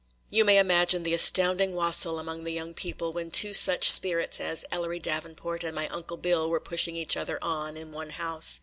You may imagine the astounding wassail among the young people, when two such spirits as Ellery Davenport and my Uncle Bill were pushing each other on, in one house.